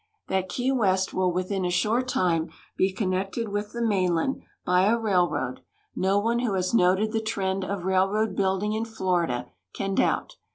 That Key West will within a short time be connected with the mainland by a* railroad, no one who has noted the trend of rail road l)uilding in Florida can doubt.